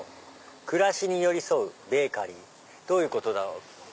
「暮らしに寄り添うベーカリー」どういうことだろう？